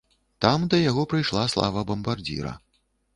Там да яго прыйшла слава бамбардзіра.